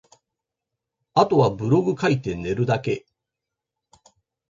後はブログ書いて寝るだけ